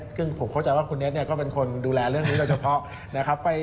ซึ่งผมเข้าใจว่าคุณเน็ตก็เป็นคนดูแลเรื่องนี้โดยเฉพาะนะครับ